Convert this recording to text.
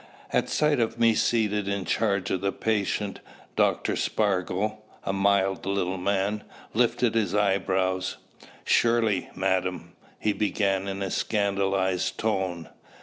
At sight of me seated in charge of the patient, Dr. Spargo a mild little man lifted his eyebrows. "Surely, madam " he began in a scandalized tone.